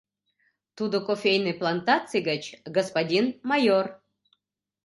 Тудо кофейный плантаций гыч, господин майор!